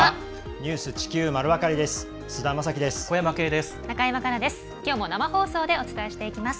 「ニュース地球まるわかり」です。